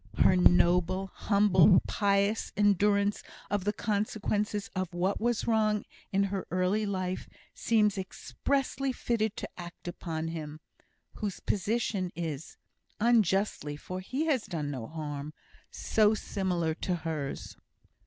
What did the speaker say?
Her noble, humble, pious endurance of the consequences of what was wrong in her early life, seems expressly fitted to act upon him, whose position is (unjustly, for he has done no harm) so similar to hers."